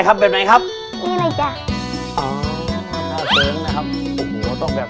อ๋อท่าเซิงพี่แดดลองทำดูนะจ๊ะได้ครับแบบไหนครับ